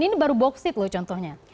ini baru boksit loh contohnya